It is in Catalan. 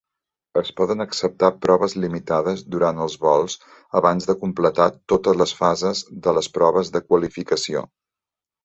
Es poden acceptar proves limitades durant els vols abans de completar totes les fases de les proves de qualificació.